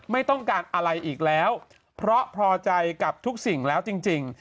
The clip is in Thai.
ไม่ต้องการอะไรอีกแล้วเพราะพอใจกับทุกสิ่งแล้วจริง